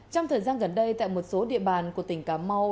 trong thời gian gần đây tại một số địa bàn của tỉnh cà mau